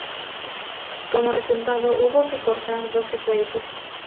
Como resultado, hubo que cortar dos secuencias.